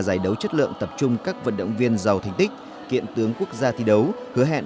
giải đấu chất lượng tập trung các vận động viên giàu thành tích kiện tướng quốc gia thi đấu hứa hẹn